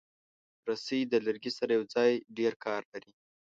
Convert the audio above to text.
رسۍ د لرګي سره یوځای ډېر کار لري.